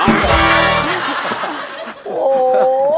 โอ้โห